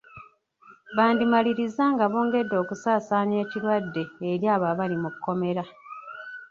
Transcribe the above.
Bandimaliriza nga bongedde okusaasaanya ekirwadde eri abo abali mu kkomera.